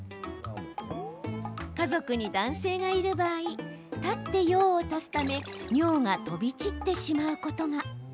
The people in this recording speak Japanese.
家族に男性がいる場合立って用を足すため尿が飛び散ってしまうことが。